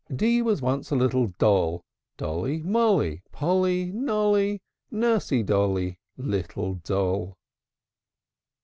D d D was once a little doll, Dolly, Molly, Polly, Nolly, Nursy dolly, Little doll!